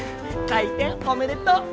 開店おめでとう！